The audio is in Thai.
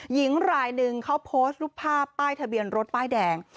หญิงรายหนึ่งเขาโพสต์รูปภาพป้ายทะเบียนรถป้ายแดง